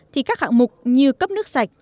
thì các hạng mục như cấp nước sạch